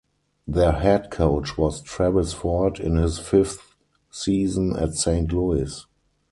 Their head coach was Travis Ford in his fifth season at Saint Louis.